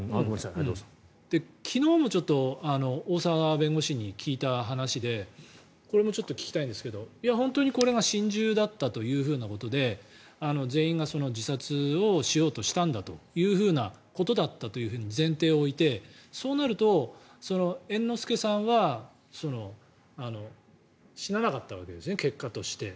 昨日、大澤弁護士に聞いた話でこれもちょっと聞きたいんですがこれが本当に心中だったということで全員が自殺をしようとしたんだということだったと前提を置いて、そうなると猿之助さんは死ななかったわけですね結果として。